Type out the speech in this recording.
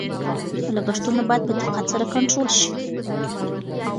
لګښتونه باید په دقت سره کنټرول شي.